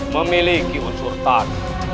memiliki unsur tan